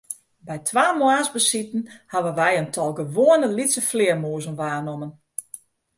By twa moarnsbesiten hawwe wy in tal gewoane lytse flearmûzen waarnommen.